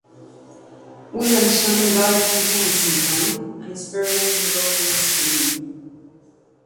Williamson died in Kensington and is buried in Golders Green.